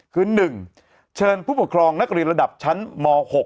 คือ๑เชิญผู้ปกครองนักเรียนระดับชั้นม๖